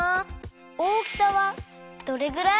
大きさはどれぐらい？